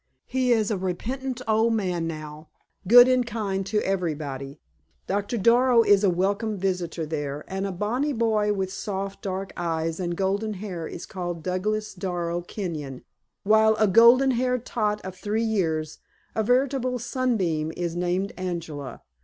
He is a repentant old man now good and kind to everybody. Doctor Darrow is a welcome visitor there, and a bonny boy with soft, dark eyes and golden hair is called Douglas Darrow Kenyon, while a golden haired tot of three years a veritable sunbeam is named Angela.